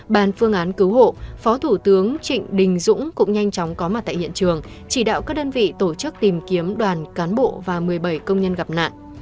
bàn phương án cứu hộ phó thủ tướng trịnh đình dũng cũng nhanh chóng có mặt tại hiện trường chỉ đạo các đơn vị tổ chức tìm kiếm đoàn cán bộ và một mươi bảy công nhân gặp nạn